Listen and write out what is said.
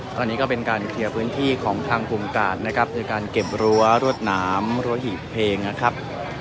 ตอนนี้ก็เป็นการเคลียร์พื้นที่ของทางกลุ่มกาดนะครับในการเก็บรั้วรวดหนามรัวหีบเพลงนะครับ